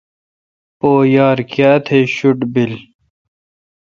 پو یار کیاتہ شوٹ بیل۔